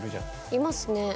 いますね。